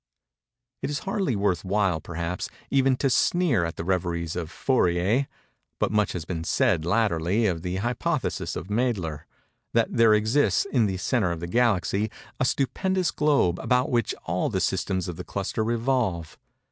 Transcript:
It is hardly worth while, perhaps, even to sneer at the reveries of Fourrier:—but much has been said, latterly, of the hypothesis of Mädler—that there exists, in the centre of the Galaxy, a stupendous globe about which all the systems of the cluster revolve.